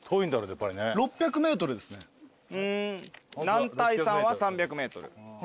男体山は３００ｍ。